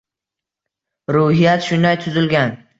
Ruhiyat shunday tuzilgan.